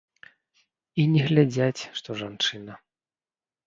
І не глядзяць, што жанчына.